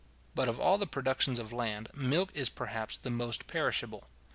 But of all the productions of land, milk is perhaps the most perishable.